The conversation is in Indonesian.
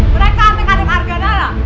mereka mengadil harga dana